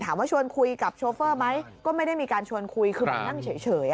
ถามว่าชวนคุยกับโชเฟอร์ไหมก็ไม่ได้มีการชวนคุยคือแบบนั่งเฉย